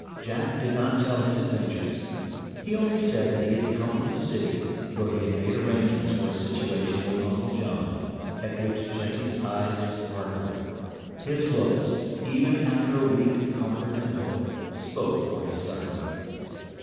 Jack did not tell his adventures; he only said that he had come from the city, where he had made arrangements for a situation with Uncle John at which Jessie's eyes sparkled. His looks, even after a week of comfort and hope, spoke for his sufferings.